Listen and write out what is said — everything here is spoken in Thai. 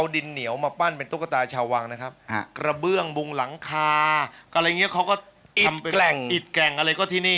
ดินอิฐแกร่งอะไรก็ที่นี่